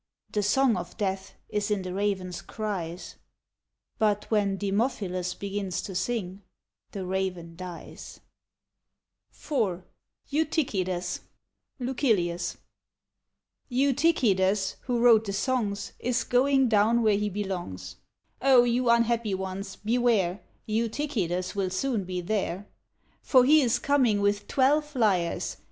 The song of death is in the raven's cries : But when Hemophilus begins to sing. The raven dies. 174 VARIATIONS OF GREEK THEMES IV EUTYCHIDES (^Lucilius) Eutychides, who wrote the songs. Is going down where he belongs. O you unhappy ones, beware : Eutychides will soon be there ! For he is coming with twelve lyres.